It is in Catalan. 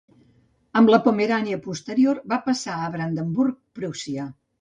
Amb Pomerània Posterior va passar a Brandenburg-Prússia.